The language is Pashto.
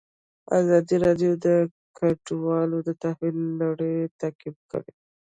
ازادي راډیو د کډوال د تحول لړۍ تعقیب کړې.